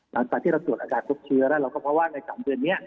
หลังจากที่เราตรวจอาการพบเชื้อแล้วเราก็เพราะว่าใน๓เดือนนี้